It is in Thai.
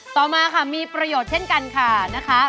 ต่อมาค่ะมีประโยชน์เช่นกันค่ะนะคะ